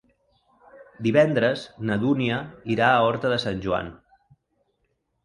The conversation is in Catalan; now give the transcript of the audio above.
Divendres na Dúnia irà a Horta de Sant Joan.